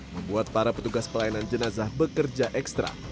membuat para petugas pelayanan jenazah bekerja ekstra